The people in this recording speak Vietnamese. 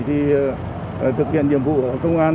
thực hiện nhiệm vụ ở công an